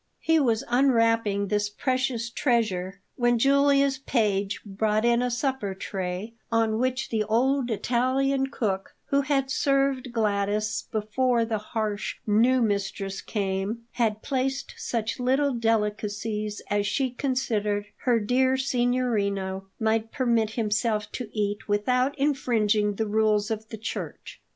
He was unwrapping this precious treasure when Julia's page brought in a supper tray on which the old Italian cook, who had served Gladys before the harsh, new mistress came, had placed such little delicacies as she considered her dear signorino might permit himself to eat without infringing the rules of the Church.